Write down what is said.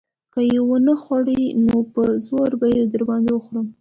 که يې ونه خورې نو په زور يې در باندې خورم.